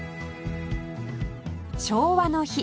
昭和の日